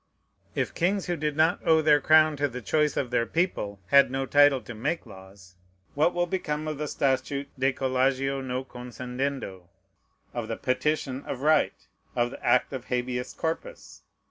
If kings who did not owe their crown to the choice of their people had no title to make laws, what will become of the statute De tallagio non concedendo? of the Petition of Right? of the act of _Habeas Corpus?